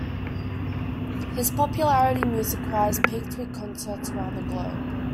His popularity, music wise, peaked with concerts around the globe.